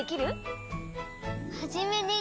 「はじめに」